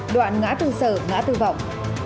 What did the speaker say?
đoạn ngã tư sở ngã tư vọng